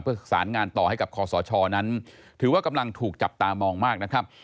เพื่อสารงานต่อให้กับคอสชนั้นถือว่ากำลังถูกจับตามองมากนะครับ